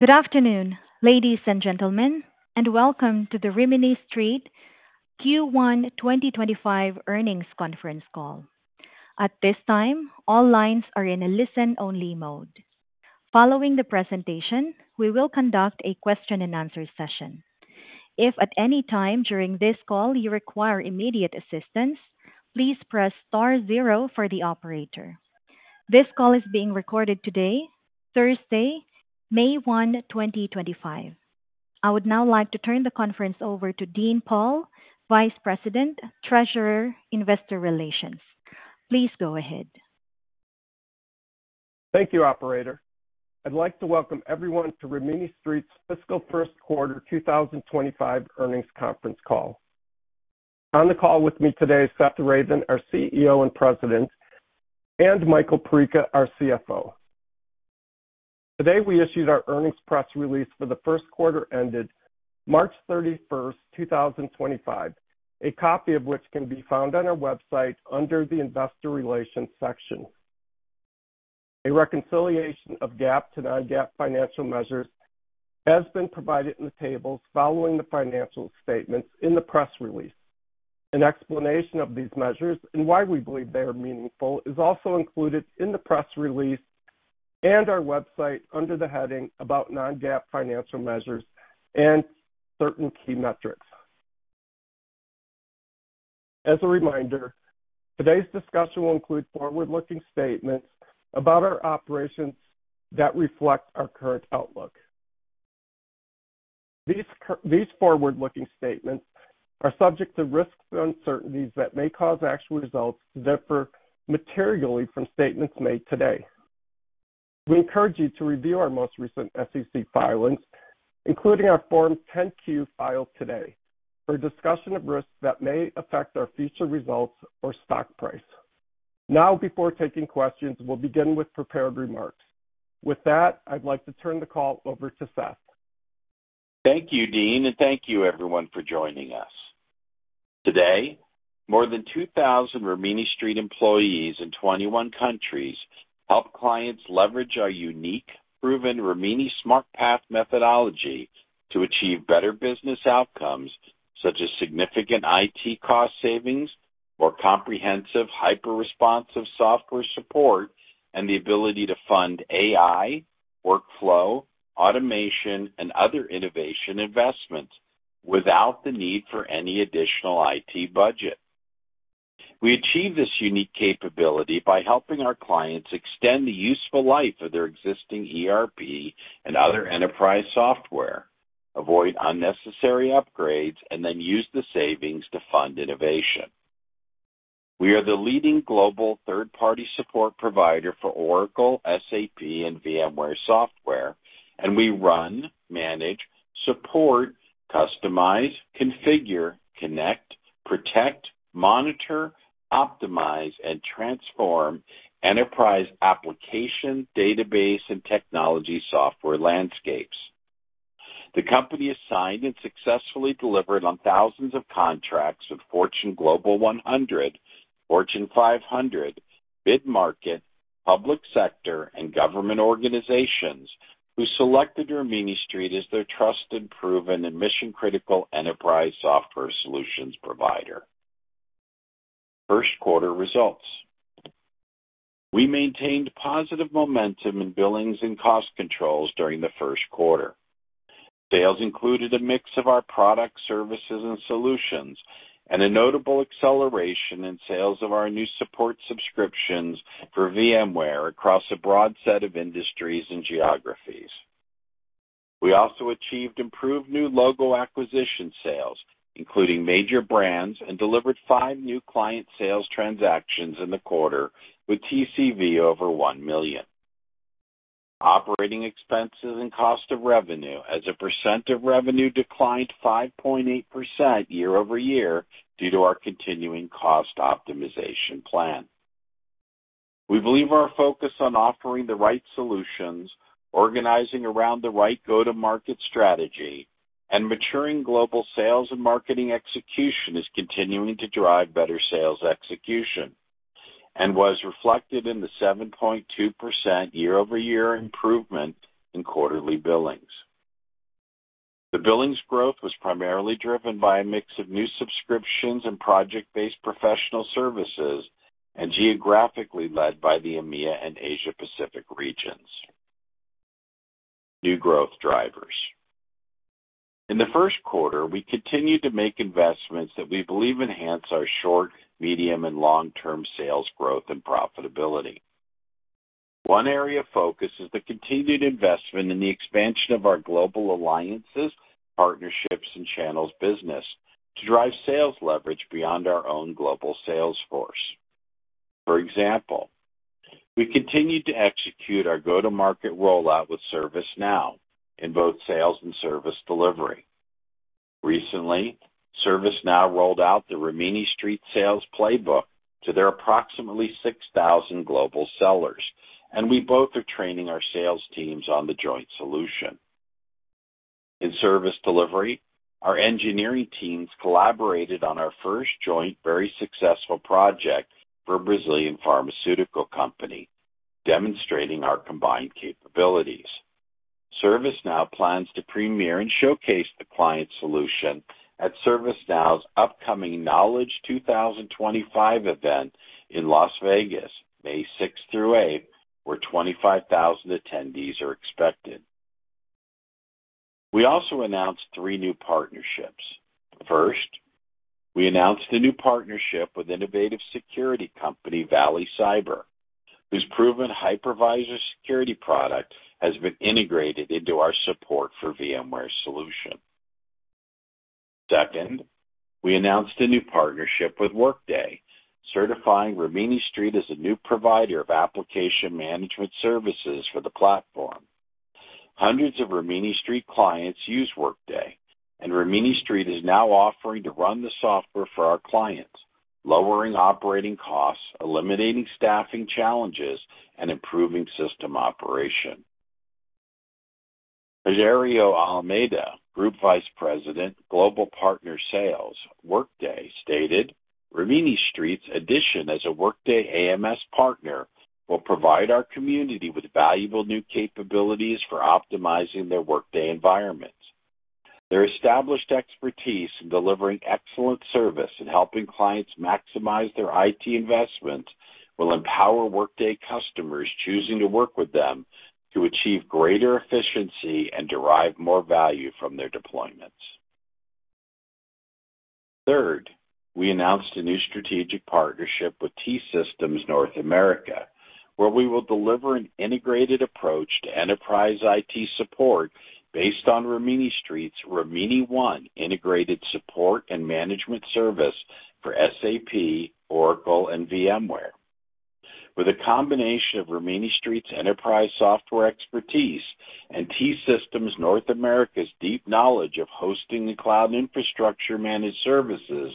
Good afternoon, ladies and gentlemen, and welcome to the Rimini Street Q1 2025 Earnings Conference Call. At this time, all lines are in a listen-only mode. Following the presentation, we will conduct a question-and-answer session. If at any time during this call you require immediate assistance, please press star zero for the operator. This call is being recorded today, Thursday, May 1, 2025. I would now like to turn the conference over to Dean Pohl, Vice President, Treasurer, Investor Relations. Please go ahead. Thank you, Operator. I'd like to welcome everyone to Rimini Street's Fiscal First Quarter 2025 earnings conference call. On the call with me today is Seth Ravin, our CEO and President, and Michael Perica, our CFO. Today, we issued our earnings press release for the 1st quarter ended March 31, 2025, a copy of which can be found on our website under the Investor Relations section. A reconciliation of GAAP to non-GAAP financial measures has been provided in the tables following the financial statements in the press release. An explanation of these measures and why we believe they are meaningful is also included in the press release and our website under the heading about non-GAAP financial measures and certain key metrics. As a reminder, today's discussion will include forward-looking statements about our operations that reflect our current outlook. These forward-looking statements are subject to risks and uncertainties that may cause actual results to differ materially from statements made today. We encourage you to review our most recent SEC filings, including our Form 10Q filed today, for a discussion of risks that may affect our future results or stock price. Now, before taking questions, we'll begin with prepared remarks. With that, I'd like to turn the call over to Seth. Thank you, Dean, and thank you, everyone, for joining us. Today, more than 2,000 Rimini Street employees in 21 countries help clients leverage our unique, proven Rimini SmartPath methodology to achieve better business outcomes such as significant IT cost savings or comprehensive hyper-responsive software support and the ability to fund AI, workflow, automation, and other innovation investments without the need for any additional IT budget. We achieve this unique capability by helping our clients extend the useful life of their existing ERP and other enterprise software, avoid unnecessary upgrades, and then use the savings to fund innovation. We are the leading global third-party support provider for Oracle, SAP, and VMware software, and we run, manage, support, customize, configure, connect, protect, monitor, optimize, and transform enterprise application database and technology software landscapes. The company has signed and successfully delivered on thousands of contracts with Fortune Global 100, Fortune 500, mid-market, public sector, and government organizations who selected Rimini Street as their trusted, proven, and mission-critical enterprise software solutions provider. First quarter results: we maintained positive momentum in billings and cost controls during the 1st quarter. Sales included a mix of our products, services, and solutions and a notable acceleration in sales of our new support subscriptions for VMware across a broad set of industries and geographies. We also achieved improved new logo acquisition sales, including major brands, and delivered five new client sales transactions in the quarter with TCV over $1 million. Operating expenses and cost of revenue, as a percent of revenue, declined 5.8% year over year due to our continuing cost optimization plan. We believe our focus on offering the right solutions, organizing around the right go-to-market strategy, and maturing global sales and marketing execution is continuing to drive better sales execution and was reflected in the 7.2% year-over-year improvement in quarterly billings. The billings growth was primarily driven by a mix of new subscriptions and project-based professional services and geographically led by the EMEA and Asia-Pacific regions. New growth drivers: in the 1st quarter, we continued to make investments that we believe enhance our short, medium, and long-term sales growth and profitability. One area of focus is the continued investment in the expansion of our global alliances, partnerships, and channels business to drive sales leverage beyond our own global sales force. For example, we continued to execute our go-to-market rollout with ServiceNow in both sales and service delivery. Recently, ServiceNow rolled out the Rimini Street sales playbook to their approximately 6,000 global sellers, and we both are training our sales teams on the joint solution. In service delivery, our engineering teams collaborated on our first joint, very successful project for a Brazilian pharmaceutical company, demonstrating our combined capabilities. ServiceNow plans to premiere and showcase the client solution at ServiceNow's upcoming Knowledge 2025 event in Las Vegas, May 6 through 8, where 25,000 attendees are expected. We also announced three new partnerships. First, we announced a new partnership with innovative security company Valley Cyber, whose proven hypervisor security product has been integrated into our support for VMware solution. Second, we announced a new partnership with Workday, certifying Rimini Street as a new provider of application management services for the platform. Hundreds of Rimini Street clients use Workday, and Rimini Street is now offering to run the software for our clients, lowering operating costs, eliminating staffing challenges, and improving system operation. Rogerio Almieda, Group Vice President, Global Partner Sales, Workday, stated, "Rimini Street's addition as a Workday AMS partner will provide our community with valuable new capabilities for optimizing their Workday environments. Their established expertise in delivering excellent service and helping clients maximize their IT investments will empower Workday customers choosing to work with them to achieve greater efficiency and derive more value from their deployments." Third, we announced a new strategic partnership with T-Systems North America, where we will deliver an integrated approach to enterprise IT support based on Rimini Street's Rimini One Integrated Support and Management Service for SAP, Oracle, and VMware. With a combination of Rimini Street's enterprise software expertise and T-Systems North America's deep knowledge of hosting the cloud infrastructure managed services,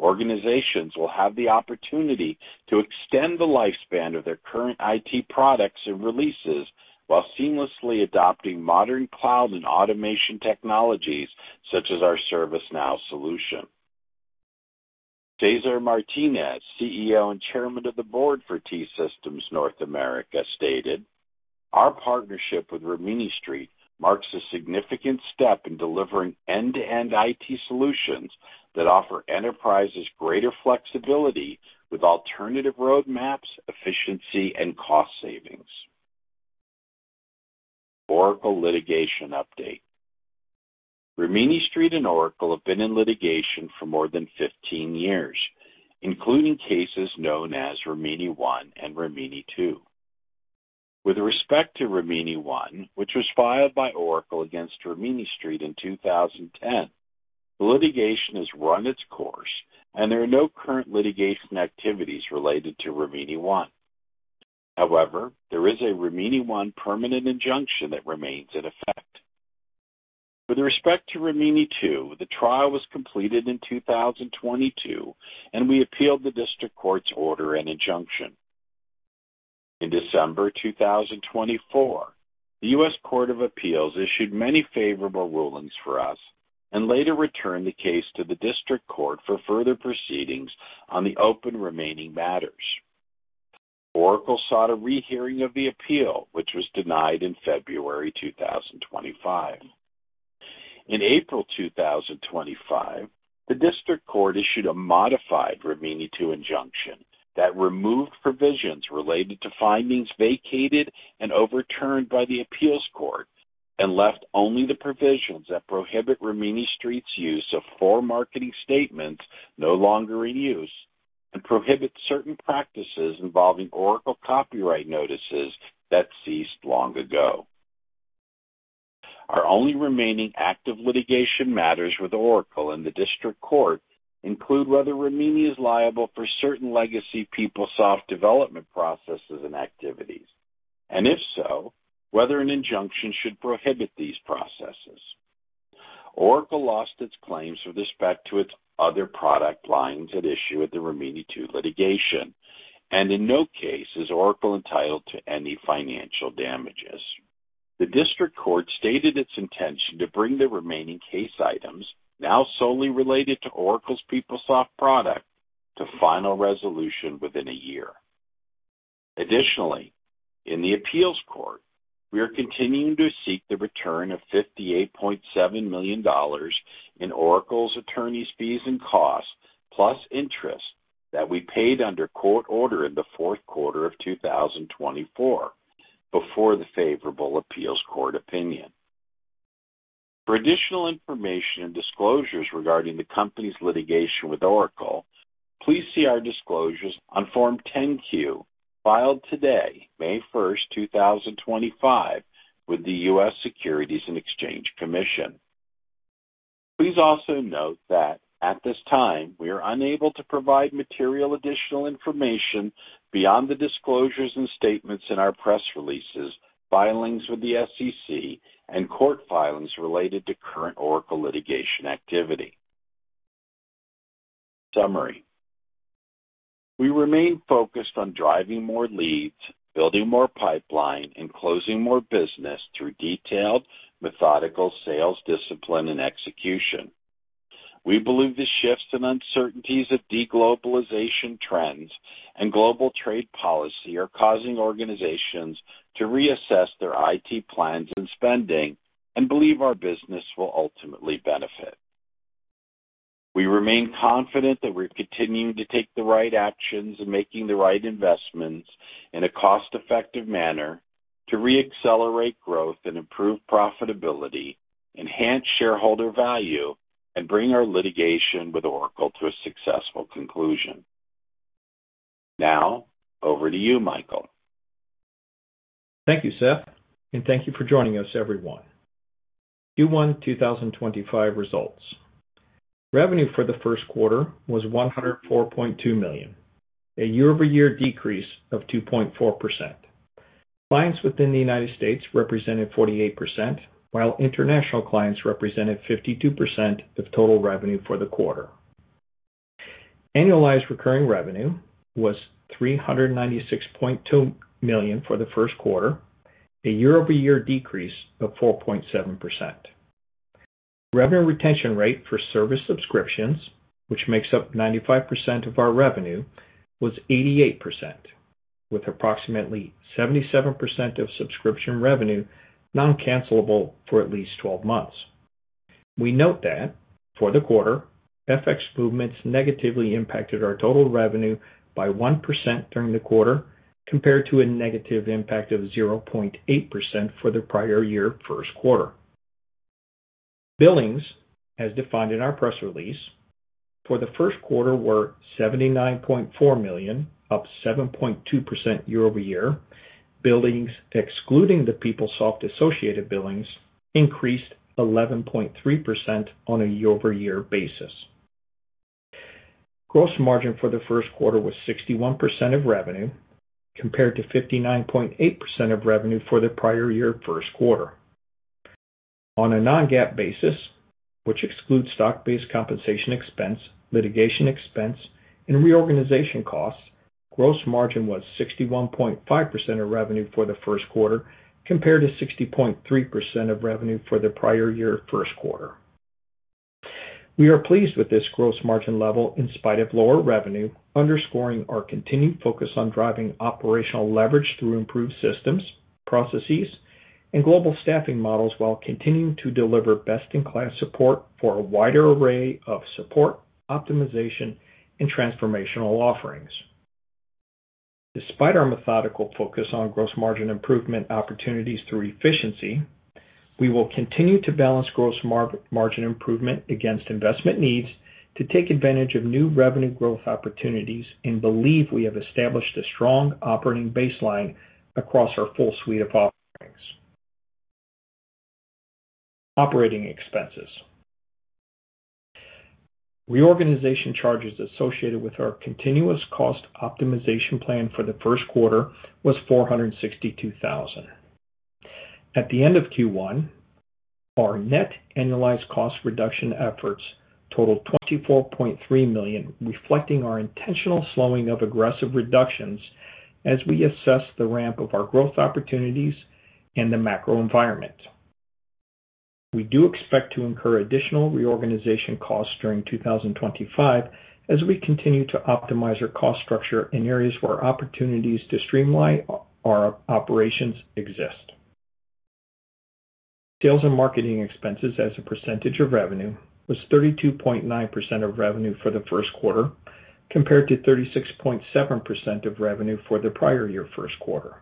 organizations will have the opportunity to extend the lifespan of their current IT products and releases while seamlessly adopting modern cloud and automation technologies such as our ServiceNow solution. North America, stated, "Our partnership with Rimini Street marks a significant step in delivering end-to-end IT solutions that offer enterprises greater flexibility with alternative roadmaps, efficiency, and cost savings." Oracle litigation update: Rimini Street and Oracle have been in litigation for more than 15 years, including cases known as Rimini One and Rimini Two. With respect to Rimini One, which was filed by Oracle against Rimini Street in 2010, the litigation has run its course, and there are no current litigation activities related to Rimini One. However, there is a Rimini One permanent injunction that remains in effect. With respect to Rimini Two, the trial was completed in 2022, and we appealed the district court's order and injunction. In December 2024, the U.S. Court of Appeals issued many favorable rulings for us and later returned the case to the district court for further proceedings on the open remaining matters. Oracle sought a rehearing of the appeal, which was denied in February 2025. In April 2025, the district court issued a modified Rimini Two injunction that removed provisions related to findings vacated and overturned by the appeals court and left only the provisions that prohibit Rimini Street's use of four marketing statements no longer in use and prohibit certain practices involving Oracle copyright notices that ceased long ago. Our only remaining active litigation matters with Oracle and the district court include whether Rimini is liable for certain legacy PeopleSoft development processes and activities, and if so, whether an injunction should prohibit these processes. Oracle lost its claims with respect to its other product lines at issue with the Rimini Two litigation, and in no case is Oracle entitled to any financial damages. The district court stated its intention to bring the remaining case items, now solely related to Oracle's PeopleSoft product, to final resolution within a year. Additionally, in the appeals court, we are continuing to seek the return of $58.7 million in Oracle's attorney's fees and costs, plus interest that we paid under court order in the 4th quarter of 2024 before the favorable appeals court opinion. For additional information and disclosures regarding the company's litigation with Oracle, please see our disclosures on Form 10-Q filed today, May 1, 2025, with the U.S. Securities and Exchange Commission. Please also note that at this time, we are unable to provide material additional information beyond the disclosures and statements in our press releases, filings with the SEC, and court filings related to current Oracle litigation activity. Summary: we remain focused on driving more leads, building more pipeline, and closing more business through detailed, methodical sales discipline and execution. We believe the shifts and uncertainties of deglobalization trends and global trade policy are causing organizations to reassess their IT plans and spending and believe our business will ultimately benefit. We remain confident that we're continuing to take the right actions and making the right investments in a cost-effective manner to re-accelerate growth and improve profitability, enhance shareholder value, and bring our litigation with Oracle to a successful conclusion. Now, over to you, Michael. Thank you, Seth, and thank you for joining us, everyone. Q1 2025 results: revenue for the 1st quarter was $104.2 million, a year-over-year decrease of 2.4%. Clients within the United States represented 48%, while international clients represented 52% of total revenue for the quarter. Annualized recurring revenue was $396.2 million for the first quarter, a year-over-year decrease of 4.7%. Revenue retention rate for service subscriptions, which makes up 95% of our revenue, was 88%, with approximately 77% of subscription revenue non-cancelable for at least 12 months. We note that for the quarter, FX movements negatively impacted our total revenue by 1% during the quarter compared to a negative impact of 0.8% for the prior year 1st quarter. Billings, as defined in our press release, for the 1st quarter were $79.4 million, up 7.2% year-over-year. Billings, excluding the PeopleSoft associated billings, increased 11.3% on a year-over-year basis. Gross margin for the first quarter was 61% of revenue compared to 59.8% of revenue for the prior year 1st quarter. On a non-GAAP basis, which excludes stock-based compensation expense, litigation expense, and reorganization costs, gross margin was 61.5% of revenue for the first quarter compared to 60.3% of revenue for the prior year 1st quarter. We are pleased with this gross margin level in spite of lower revenue, underscoring our continued focus on driving operational leverage through improved systems, processes, and global staffing models while continuing to deliver best-in-class support for a wider array of support, optimization, and transformational offerings. Despite our methodical focus on gross margin improvement opportunities through efficiency, we will continue to balance gross margin improvement against investment needs to take advantage of new revenue growth opportunities and believe we have established a strong operating baseline across our full suite of offerings. Operating expenses: reorganization charges associated with our continuous cost optimization plan for the first quarter was $462,000. At the end of Q1, our net annualized cost reduction efforts totaled $24.3 million, reflecting our intentional slowing of aggressive reductions as we assess the ramp of our growth opportunities and the macro environment. We do expect to incur additional reorganization costs during 2025 as we continue to optimize our cost structure in areas where opportunities to streamline our operations exist. Sales and marketing expenses as a percentage of revenue was 32.9% of revenue for the 1st quarter compared to 36.7% of revenue for the prior year 1st quarter.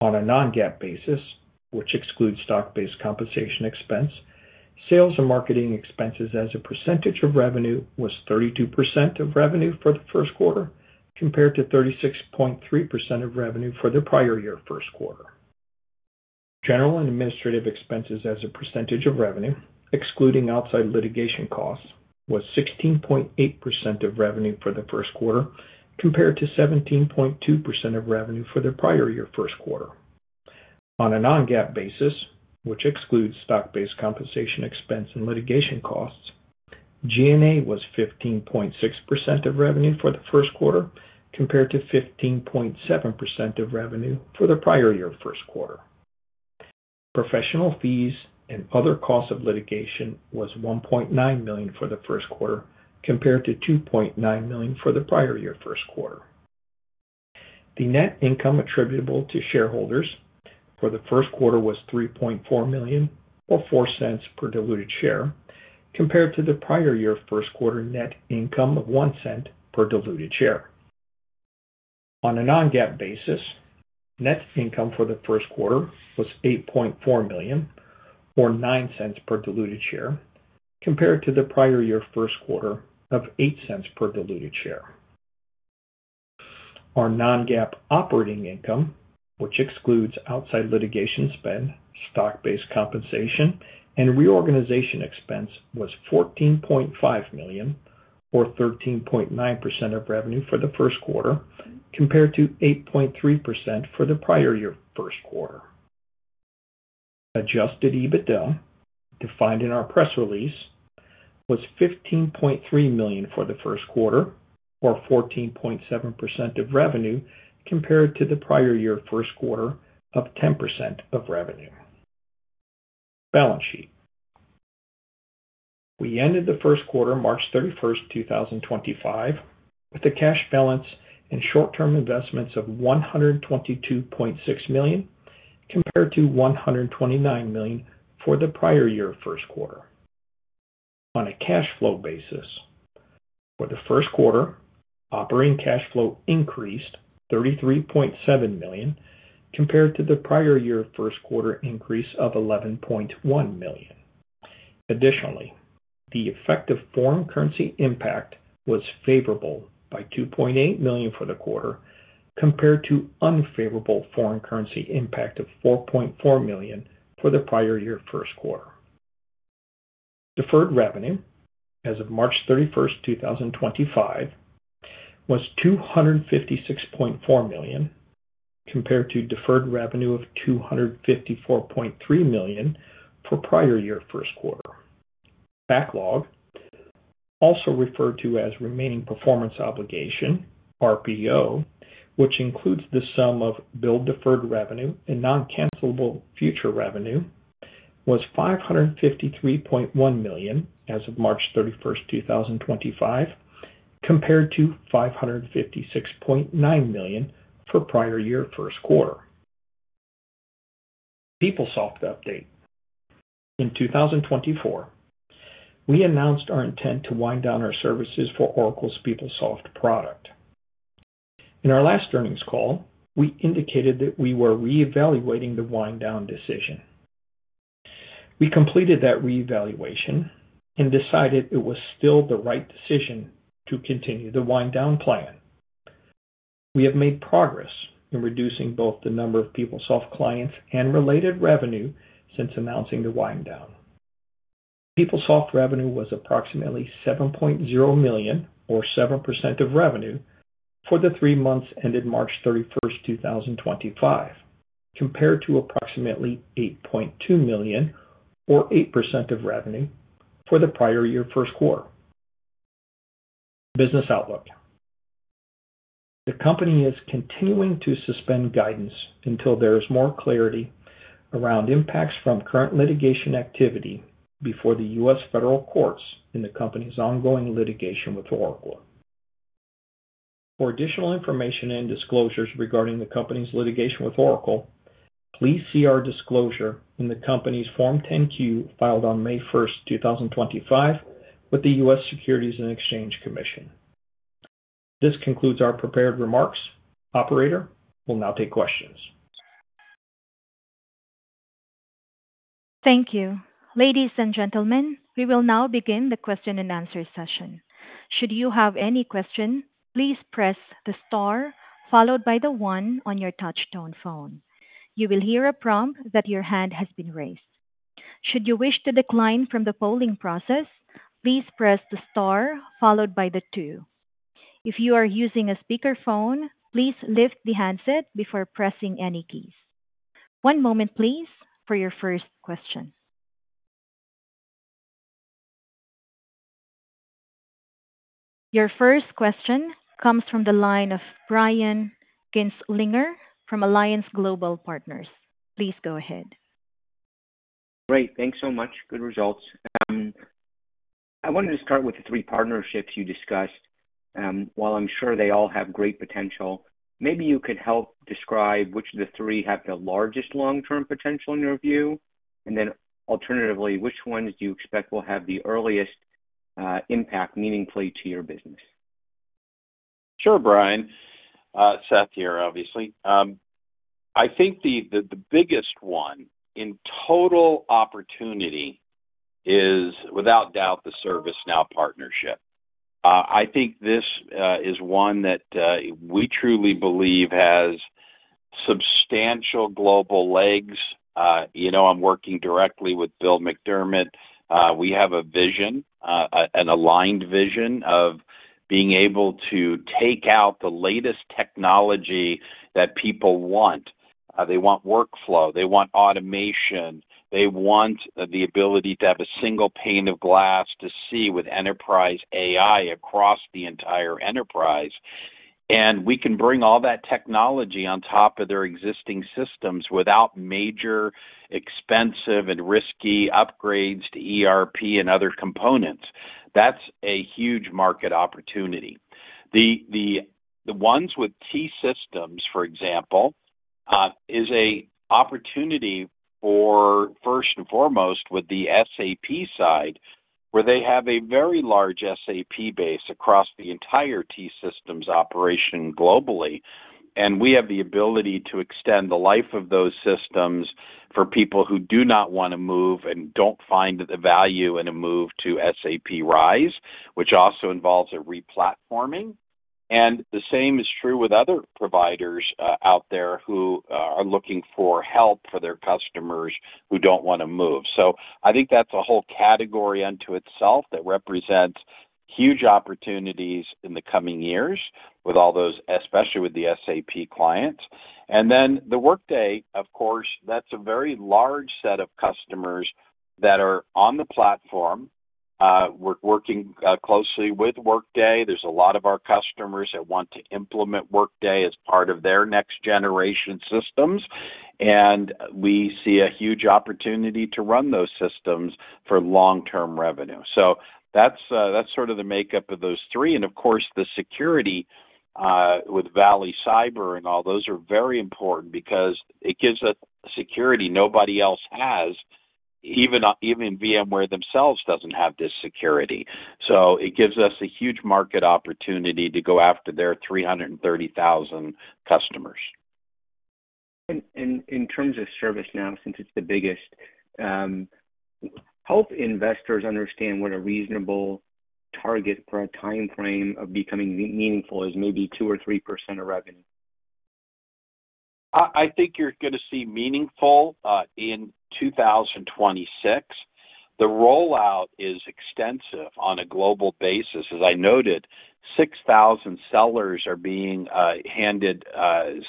On a non-GAAP basis, which excludes stock-based compensation expense, sales and marketing expenses as a percentage of revenue was 32% of revenue for the 1St quarter compared to 36.3% of revenue for the prior year 1st quarter. General and administrative expenses as a percentage of revenue, excluding outside litigation costs, was 16.8% of revenue for the 1st quarter compared to 17.2% of revenue for the prior year 1st quarter. On a non-GAAP basis, which excludes stock-based compensation expense and litigation costs, G&A was 15.6% of revenue for the 1st quarter compared to 15.7% of revenue for the prior year 1St quarter. Professional fees and other costs of litigation was $1.9 million for the 1st quarter compared to $2.9 million for the prior year 1st quarter. The net income attributable to shareholders for the 1st quarter was $3.4 million or $0.04 per diluted share compared to the prior year 1st quarter net income of $0.01 per diluted share. On a non-GAAP basis, net income for the 1st quarter was $8.4 million or $0.09 per diluted share compared to the prior year 1st quarter of $0.08 per diluted share. Our non-GAAP operating income, which excludes outside litigation spend, stock-based compensation, and reorganization expense, was $14.5 million or 13.9% of revenue for the 1st quarter compared to 8.3% for the prior year 1st quarter. Adjusted EBITDA, defined in our press release, was $15.3 million for the 1st quarter or 14.7% of revenue compared to the prior year 1st quarter of 10% of revenue. Balance sheet: we ended the 1st quarter March 31, 2025, with a cash balance and short-term investments of $122.6 million compared to $129 million for the prior year 1st quarter. On a cash flow basis, for the 1st quarter, operating cash flow increased $33.7 million compared to the prior year 1st quarter increase of $11.1 million. Additionally, the effective foreign currency impact was favorable by $2.8 million for the quarter compared to unfavorable foreign currency impact of $4.4 million for the prior year 1st quarter. Deferred revenue, as of March 31, 2025, was $256.4 million compared to deferred revenue of $254.3 million for prior year 1st quarter. Backlog, also referred to as remaining performance obligation, RPO, which includes the sum of billed deferred revenue and non-cancelable future revenue, was $553.1 million as of March 31, 2025, compared to $556.9 million for prior year 1st quarter. PeopleSoft update: in 2024, we announced our intent to wind down our services for Oracle's PeopleSoft product. In our last earnings call, we indicated that we were reevaluating the wind-down decision. We completed that reevaluation and decided it was still the right decision to continue the wind-down plan. We have made progress in reducing both the number of PeopleSoft clients and related revenue since announcing the wind-down. PeopleSoft revenue was approximately $7.0 million or 7% of revenue for the three months ended March 31, 2025, compared to approximately $8.2 million or 8% of revenue for the prior year 1st quarter. Business outlook: the company is continuing to suspend guidance until there is more clarity around impacts from current litigation activity before the U.S. federal courts in the company's ongoing litigation with Oracle. For additional information and disclosures regarding the company's litigation with Oracle, please see our disclosure in the company's Form 10Q filed on May 1, 2025, with the U.S. Securities and Exchange Commission. This concludes our prepared remarks. Operator will now take questions. Thank you. Ladies and gentlemen, we will now begin the question and answer session. Should you have any question, please press the star followed by the one on your touch-tone phone. You will hear a prompt that your hand has been raised. Should you wish to decline from the polling process, please press the star followed by the two. If you are using a speakerphone, please lift the handset before pressing any keys. One moment, please, for your first question. Your first question comes from the line of Brian Kinstlinger from Alliance Global Partners. Please go ahead. Great. Thanks so much. Good results. I wanted to start with the three partnerships you discussed. While I'm sure they all have great potential, maybe you could help describe which of the three have the largest long-term potential in your view? Alternatively, which ones do you expect will have the earliest impact meaningfully to your business? Sure, Brian. Seth here, obviously. I think the biggest one in total opportunity is, without doubt, the ServiceNow partnership. I think this is one that we truly believe has substantial global legs. You know I'm working directly with Bill McDermott. We have a vision, an aligned vision of being able to take out the latest technology that people want. They want workflow. They want automation. They want the ability to have a single pane of glass to see with enterprise AI across the entire enterprise. We can bring all that technology on top of their existing systems without major expensive and risky upgrades to ERP and other components. That's a huge market opportunity. The ones with T-Systems, for example, is an opportunity for, first and foremost, with the SAP side, where they have a very large SAP base across the entire T-Systems operation globally. We have the ability to extend the life of those systems for people who do not want to move and do not find the value in a move to SAP RISE, which also involves a replatforming. The same is true with other providers out there who are looking for help for their customers who do not want to move. I think that is a whole category unto itself that represents huge opportunities in the coming years, especially with the SAP clients. The Workday, of course, that is a very large set of customers that are on the platform. We are working closely with Workday. There are a lot of our customers that want to implement Workday as part of their next generation systems. We see a huge opportunity to run those systems for long-term revenue. That is sort of the makeup of those three. Of course, the security with Valley Cyber and all those are very important because it gives us security nobody else has. Even VMware themselves does not have this security. It gives us a huge market opportunity to go after their 330,000 customers. In terms of ServiceNow, since it's the biggest, help investors understand what a reasonable target for a timeframe of becoming meaningful is, maybe 2 or 3% of revenue. I think you're going to see meaningful in 2026. The rollout is extensive on a global basis. As I noted, 6,000 sellers are being handed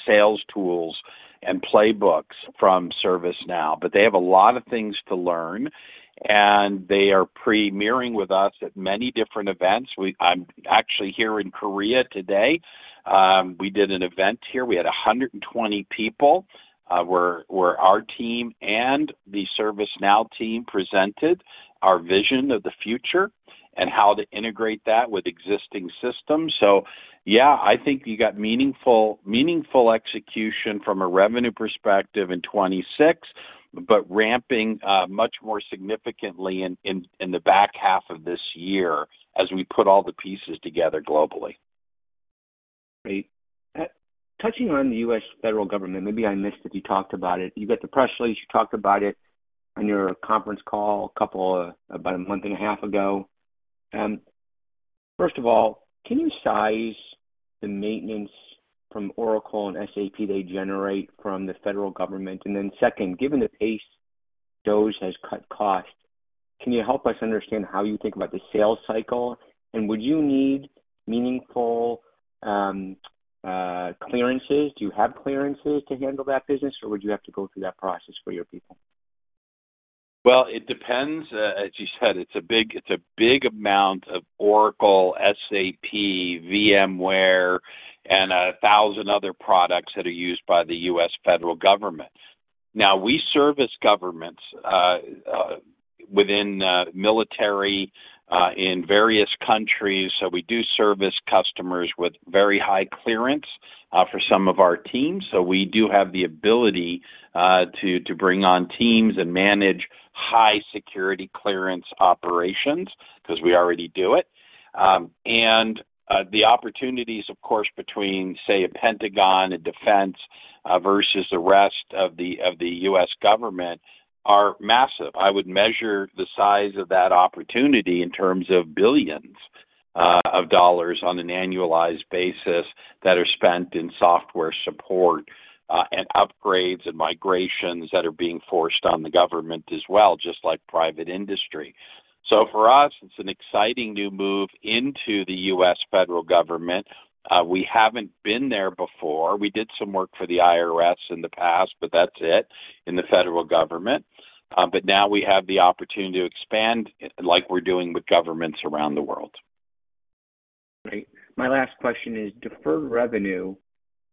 sales tools and playbooks from ServiceNow, but they have a lot of things to learn. They are premiering with us at many different events. I'm actually here in Korea today. We did an event here. We had 120 people where our team and the ServiceNow team presented our vision of the future and how to integrate that with existing systems. I think you got meaningful execution from a revenue perspective in 2026, but ramping much more significantly in the back half of this year as we put all the pieces together globally. Great. Touching on the U.S. federal government, maybe I missed that you talked about it. You got the press release, you talked about it on your conference call about a month and a half ago. First of all, can you size the maintenance from Oracle and SAP they generate from the federal government? Then second, given the pace DOGE has cut costs, can you help us understand how you think about the sales cycle? Would you need meaningful clearances? Do you have clearances to handle that business, or would you have to go through that process for your people? It depends. As you said, it's a big amount of Oracle, SAP, VMware, and 1,000 other products that are used by the U.S. federal government. Now, we service governments within military in various countries. We do service customers with very high clearance for some of our teams. We do have the ability to bring on teams and manage high-security clearance operations because we already do it. The opportunities, of course, between, say, a Pentagon and defense versus the rest of the U.S. government are massive. I would measure the size of that opportunity in terms of billions of dollars on an annualized basis that are spent in software support and upgrades and migrations that are being forced on the government as well, just like private industry. For us, it's an exciting new move into the U.S. federal government. We haven't been there before. We did some work for the IRS in the past, but that's it in the federal government. Now we have the opportunity to expand like we're doing with governments around the world. Great. My last question is, deferred revenue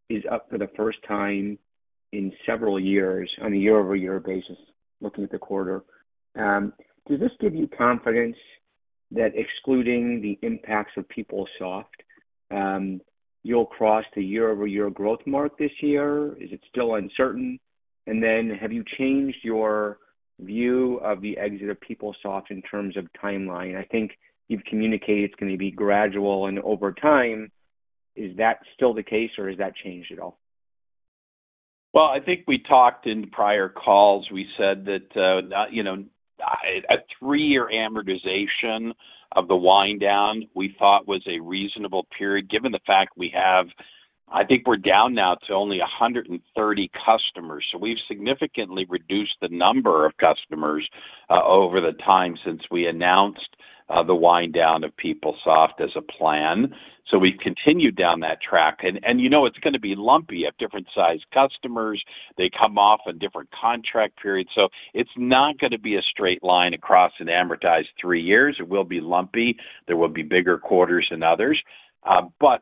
is up for the first time in several years on a year-over-year basis, looking at the quarter. Does this give you confidence that excluding the impacts of PeopleSoft, you'll cross the year-over-year growth mark this year? Is it still uncertain? Have you changed your view of the exit of PeopleSoft in terms of timeline? I think you've communicated it's going to be gradual. Over time, is that still the case, or has that changed at all? I think we talked in prior calls. We said that a three-year amortization of the wind-down we thought was a reasonable period, given the fact we have, I think we're down now to only 130 customers. We have significantly reduced the number of customers over the time since we announced the wind-down of PeopleSoft as a plan. We have continued down that track. You know it's going to be lumpy. You have different-sized customers. They come off in different contract periods. It is not going to be a straight line across an amortized three years. It will be lumpy. There will be bigger quarters than others.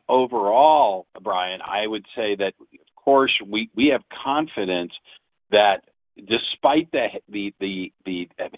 Overall, Brian, I would say that, of course, we have confidence that despite the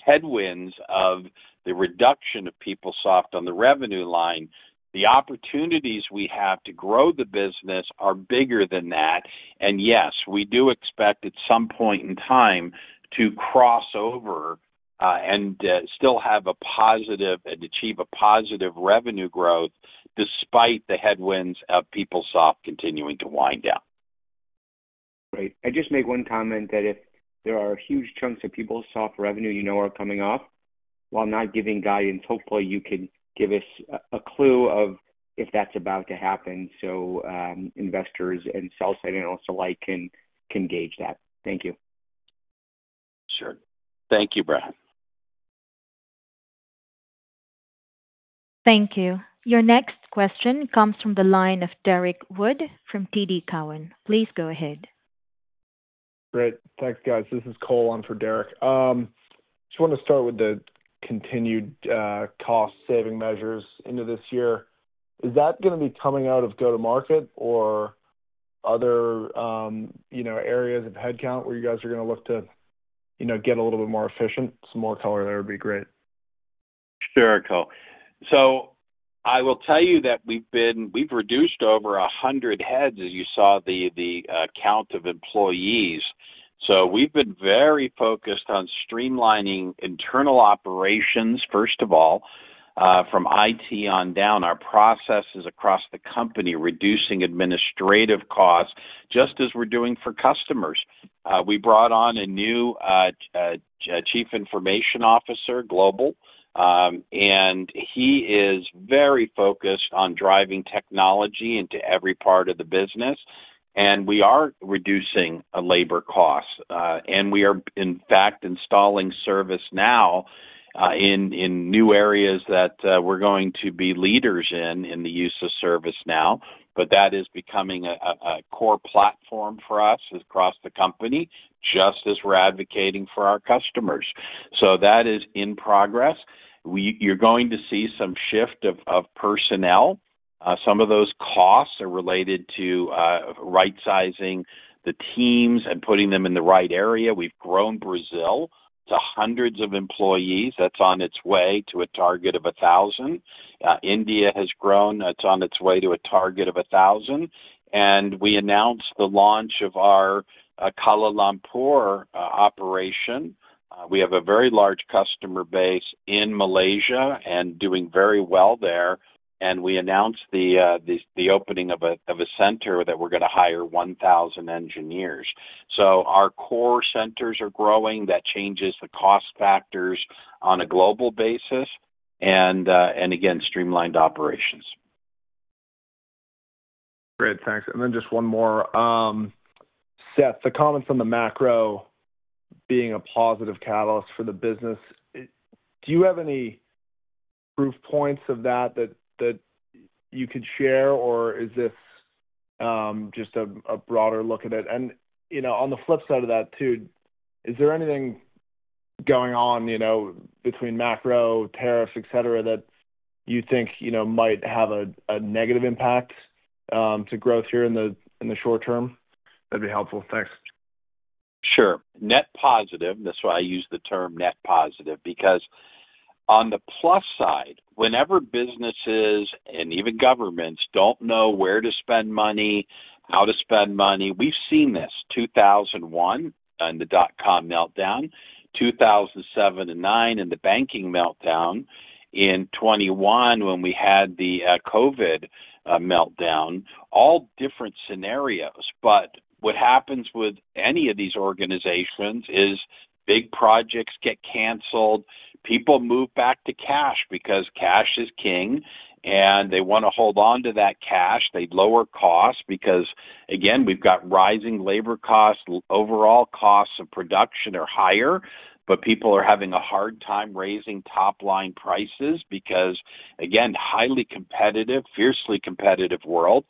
headwinds of the reduction of PeopleSoft on the revenue line, the opportunities we have to grow the business are bigger than that. Yes, we do expect at some point in time to cross over and still have a positive and achieve a positive revenue growth despite the headwinds of PeopleSoft continuing to wind down. Great. I just made one comment that if there are huge chunks of PeopleSoft revenue you know are coming off, while not giving guidance, hopefully you can give us a clue of if that's about to happen so investors and sell-side alike can gauge that. Thank you. Sure. Thank you, Brian. Thank you. Your next question comes from the line of Derrick Wood from TD Cowen. Please go ahead. Great. Thanks, guys. This is Cole. I'm for Derrick. Just want to start with the continued cost-saving measures into this year. Is that going to be coming out of go-to-market or other areas of headcount where you guys are going to look to get a little bit more efficient? Some more color there would be great. Sure, Cole. I will tell you that we've reduced over 100 heads, as you saw the count of employees. We've been very focused on streamlining internal operations, first of all, from IT on down, our processes across the company, reducing administrative costs, just as we're doing for customers. We brought on a new Chief Information Officer, Global, and he is very focused on driving technology into every part of the business. We are reducing labor costs. We are, in fact, installing ServiceNow in new areas that we're going to be leaders in, in the use of ServiceNow. That is becoming a core platform for us across the company, just as we're advocating for our customers. That is in progress. You're going to see some shift of personnel. Some of those costs are related to right-sizing the teams and putting them in the right area. We've grown Brazil. It's hundreds of employees. That's on its way to a target of 1,000. India has grown. It's on its way to a target of 1,000. We announced the launch of our Kuala Lumpur operation. We have a very large customer base in Malaysia and doing very well there. We announced the opening of a center that we're going to hire 1,000 engineers. Our core centers are growing. That changes the cost factors on a global basis. Again, streamlined operations. Great. Thanks. Just one more. Seth, the comments on the macro being a positive catalyst for the business, do you have any proof points of that that you could share, or is this just a broader look at it? On the flip side of that, too, is there anything going on between macro, tariffs, etc., that you think might have a negative impact to growth here in the short term? That would be helpful. Thanks. Sure. Net positive. That's why I use the term net positive because on the plus side, whenever businesses and even governments don't know where to spend money, how to spend money, we've seen this 2001 and the dot-com meltdown, 2007 and 2009 and the banking meltdown, in '21 when we had the COVID meltdown, all different scenarios. What happens with any of these organizations is big projects get canceled. People move back to cash because cash is king. They want to hold on to that cash. They lower costs because, again, we've got rising labor costs. Overall costs of production are higher, but people are having a hard time raising top-line prices because, again, highly competitive, fiercely competitive world.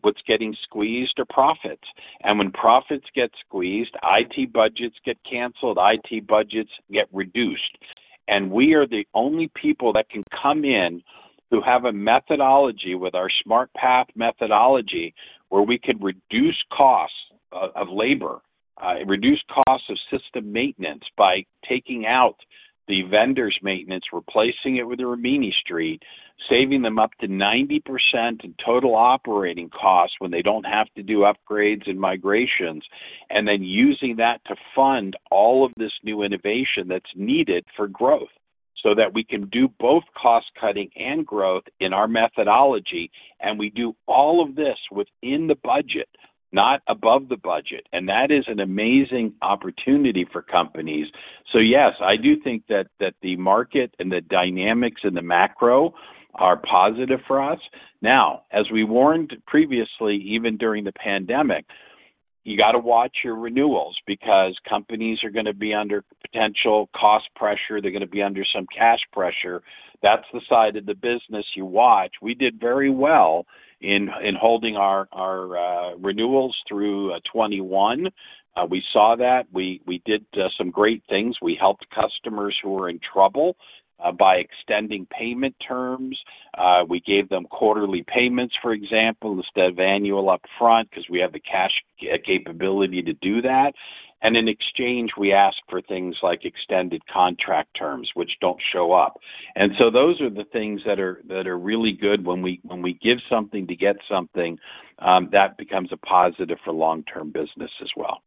What's getting squeezed are profits. When profits get squeezed, IT budgets get canceled. IT budgets get reduced. We are the only people that can come in who have a methodology with our SmartPath methodology where we can reduce costs of labor, reduce costs of system maintenance by taking out the vendor's maintenance, replacing it with Rimini Street, saving them up to 90% in total operating costs when they do not have to do upgrades and migrations, and then using that to fund all of this new innovation that is needed for growth so that we can do both cost-cutting and growth in our methodology. We do all of this within the budget, not above the budget. That is an amazing opportunity for companies. Yes, I do think that the market and the dynamics and the macro are positive for us. Now, as we warned previously, even during the pandemic, you got to watch your renewals because companies are going to be under potential cost pressure. They're going to be under some cash pressure. That's the side of the business you watch. We did very well in holding our renewals through '21. We saw that. We did some great things. We helped customers who were in trouble by extending payment terms. We gave them quarterly payments, for example, instead of annual upfront because we have the cash capability to do that. In exchange, we asked for things like extended contract terms, which do not show up. Those are the things that are really good. When we give something to get something, that becomes a positive for long-term business as well.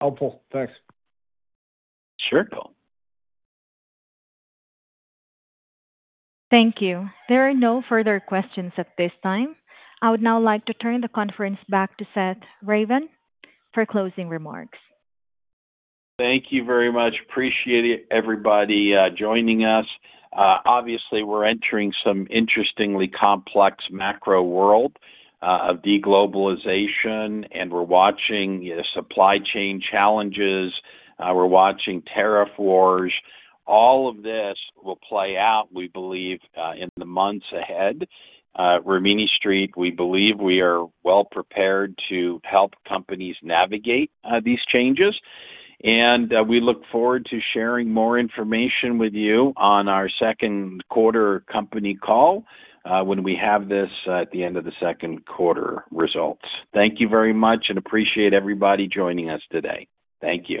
Helpful. Thanks. Sure, Cole. Thank you. There are no further questions at this time. I would now like to turn the conference back to Seth Ravin for closing remarks. Thank you very much. Appreciate it, everybody, joining us. Obviously, we're entering some interestingly complex macro world of deglobalization, and we're watching supply chain challenges. We're watching tariff wars. All of this will play out, we believe, in the months ahead. Rimini Street, we believe we are well prepared to help companies navigate these changes. We look forward to sharing more information with you on our 2nd quarter company call when we have this at the end of the second quarter results. Thank you very much and appreciate everybody joining us today. Thank you.